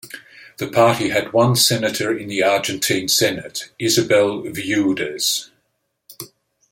The party had one senator in the Argentine Senate, Isabel Viudes.